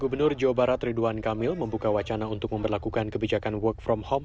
gubernur jawa barat ridwan kamil membuka wacana untuk memperlakukan kebijakan work from home